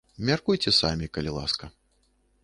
Мяркуйце самі, калі ласка.